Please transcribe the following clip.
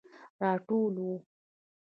راټولوم